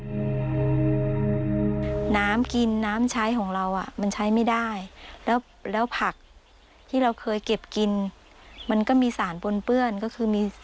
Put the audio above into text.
ชาวบ้านพาทีมข่าวไทยรัดทีวีชาวบ้านพาทีมข่าวไทยรัดทีวีชาวบ้านพาทีมข่าวไทยรัดทีวี